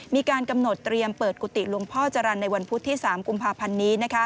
มีการกำหนดเตรียมเปิดกุฏิหลวงพ่อจรรย์ในวันพุธที่๓กุมภาพันธ์นี้